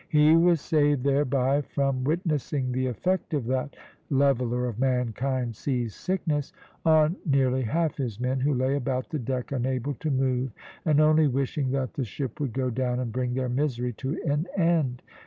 He was saved thereby from witnessing the effect of that leveller of mankind, sea sickness, on nearly half his men, who lay about the deck unable to move, and only wishing that the ship would go down and bring their misery to an end.